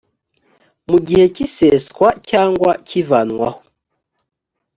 mu gihe cy iseswa cyangwa cy ivanwaho